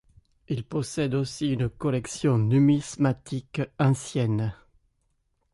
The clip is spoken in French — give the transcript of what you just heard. Il possède aussi une collection numismatique ancienne.